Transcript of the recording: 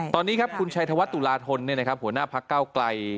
ตอนนี้ครับคุณชัยธวัฒนตุลาธนหัวหน้าพักเก้าไกล